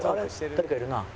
誰かいるなあ。